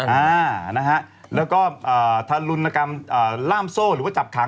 อ่านะฮะแล้วก็อ่าทารุณกรรมอ่าล่ามโซ่หรือว่าจับขัง